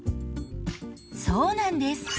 そうなんです。